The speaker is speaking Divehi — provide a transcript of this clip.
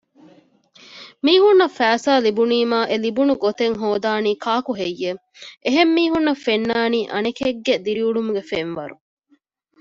މީހުންނަށް ފައިސާ ލިބުނީމާ އެލިބުނު ގޮތެއް ހޯދަނީ ކާކުހެއްޔެވެ؟ އެހެން މީހުންނަށް ފެންނާނީ އަނެކެއްގެ ދިރިއުޅުމުގެ ފެންވަރު